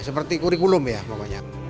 seperti kurikulum ya pokoknya